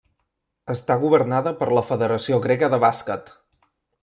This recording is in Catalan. Està governada per la Federació Grega de Bàsquet.